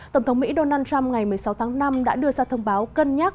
tổng thống mỹ donald trump ngày một mươi sáu tháng năm đã đưa ra thông báo cân nhắc